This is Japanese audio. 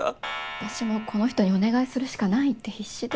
私もこの人にお願いするしかないって必死で。